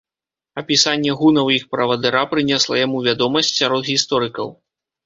Апісанне гунаў і іх правадыра прынесла яму вядомасць сярод гісторыкаў.